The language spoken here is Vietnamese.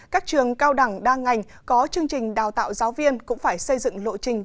các trường cao đẳng đa ngành có chương trình đào tạo giáo viên cũng phải xây dựng lộ trình